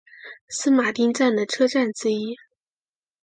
圣马丁站的车站之一。